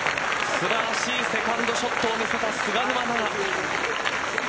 素晴らしいセカンドショットを見せた菅沼菜々。